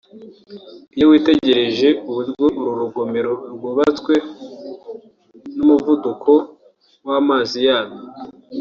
Iyo witegereje uburyo uru rugomero rwubatse n’umuvuduko w’amazi yarwo